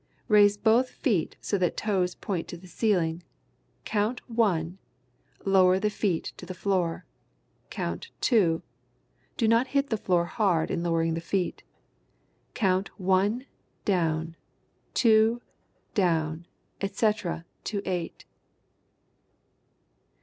Raise both feet so that toes point to ceiling. Count "one"; lower the feet to the floor. Count "two"; (do not hit the floor hard in lowering the feet). Count "one, down; two, down;" etc., to eight.